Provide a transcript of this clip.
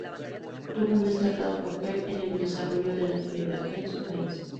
Tuvo un destacado papel en el desarrollo de la telegrafía en su país.